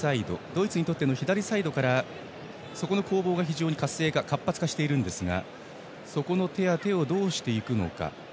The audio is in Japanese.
ドイツにとっての左サイドからそこの攻防が非常に活発化していますがそこの手当てをどうしていくのか。